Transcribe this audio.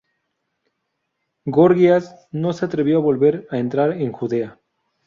Gorgias no se atrevió a volver a entrar en Judea.